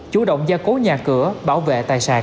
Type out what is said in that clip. chủ động gia cố nhà cửa bảo vệ tài sản